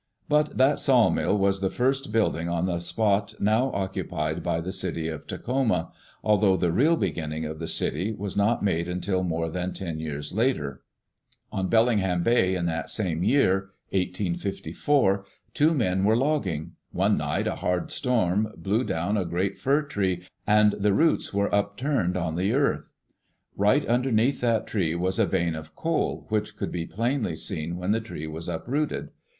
But that sawmill was the first building on the spot now occupied by the city of Tacoma, although the real begin ning of the city was not made until more than ten years later. On Bellingham Bay, in that same year, 1854, two men were logging. One night a hard storm blew down a great fir tree and the roots were upturned on the earth. Right underneath that tree was a vein of coal which could be plainly seen when the tree was uprooted.